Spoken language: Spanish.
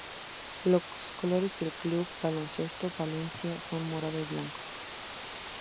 Los colores del Club Baloncesto Palencia son morado y blanco.